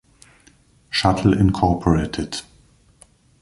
Shuttle Inc.